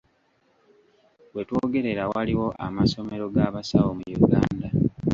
We twogerera waliwo amasomero g'abasawo mu Uganda.